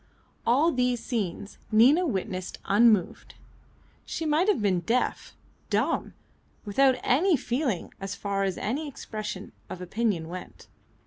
All these scenes Nina witnessed unmoved. She might have been deaf, dumb, without any feeling as far as any expression of opinion went.